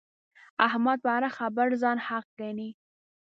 احمد په هره خبره ځان حق ګڼي.